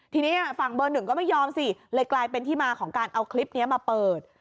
ทีนี้ฝั่งเบอร์หนึ่งก็ไม่ยอมสิเลยกลายเป็นที่มาของการเอาคลิปนี้มาเปิด